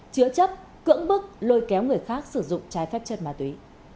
chứa chấp cưỡng bức lôi kéo người khác sử dụng trái phép chất ma túy